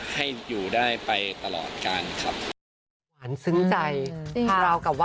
ให้อยู่ได้ไปตลอดการครับ